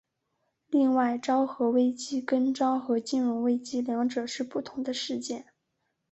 另外昭和危机跟昭和金融危机两者是不同的事件。